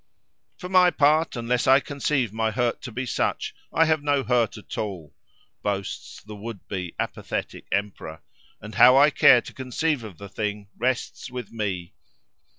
—"For my part, unless I conceive my hurt to be such, I have no hurt at all,"—boasts the would be apathetic emperor:—"and how I care to conceive of the thing rests with me."